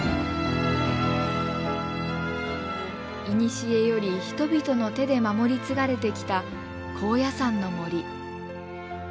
いにしえより人々の手で守り継がれてきた高野山の森。